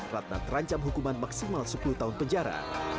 ratna terancam hukuman maksimal sepuluh tahun penjara